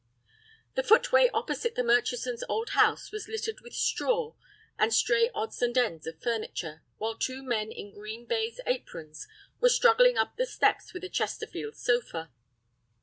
The footway opposite the Murchison's old house was littered with straw, and stray odds and ends of furniture, while two men in green baize aprons were struggling up the steps with a Chesterfield sofa.